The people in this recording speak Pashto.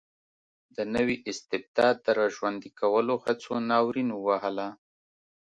د نوي استبداد د را ژوندي کولو هڅو ناورین ووهله.